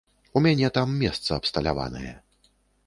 У мяне там месца абсталяванае.